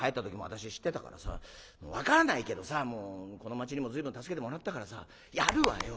分からないけどさもうこの町にも随分助けてもらったからさやるわよ。